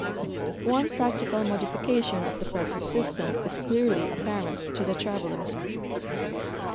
One practical modification of the ])resent system is clearly apparent to the traveler.